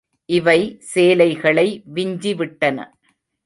இவை சேலைகளை விஞ்சிவிட்டன.